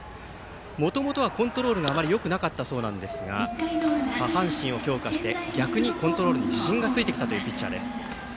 もともとはコントロールがあまりよくなかったそうですが下半身を強化して逆にコントロールに自信がついてきたというピッチャーです。